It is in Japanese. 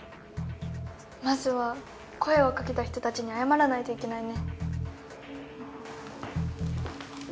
まずは声をかけた人たちに謝らないといけないね。